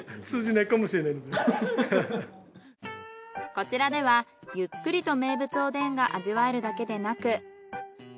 こちらではゆっくりと名物おでんが味わえるだけでなく。